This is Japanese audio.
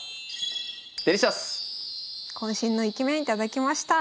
こん身のイケメン頂きました。